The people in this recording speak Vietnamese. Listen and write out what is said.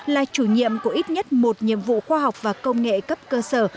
là chủ nhiệm của ít nhất một nhiệm vụ khoa học và công nghệ cấp cơ sở